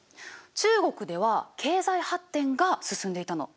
中国では経済発展が進んでいたの。